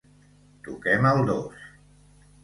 Toquem el dos